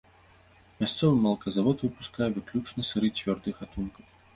Мясцовы малаказавод выпускае выключна сыры цвёрдых гатункаў.